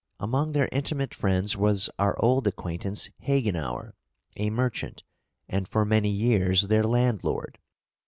Among their intimate friends was our old acquaintance Hagenauer, a merchant, and for many years their landlord.